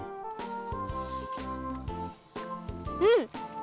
うん！